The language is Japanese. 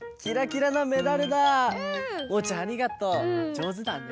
じょうずだね。